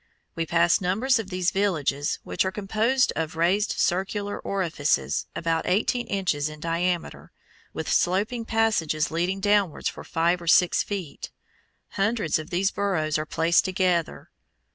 We passed numbers of villages, which are composed of raised circular orifices, about eighteen inches in diameter, with sloping passages leading downwards for five or six feet. Hundreds of these burrows are placed together.